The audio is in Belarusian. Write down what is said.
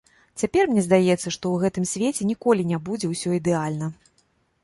Цяпер мне здаецца, што ў гэтым свеце ніколі не будзе ўсё ідэальна.